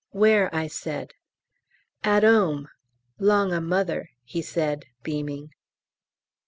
"Where?" I said. "At 'ome, 'long o' Mother," he said, beaming.